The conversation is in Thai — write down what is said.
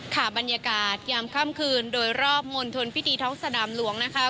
ค่ะบรรยากาศยามค่ำคืนโดยรอบมณฑลพิธีท้องสนามหลวงนะคะ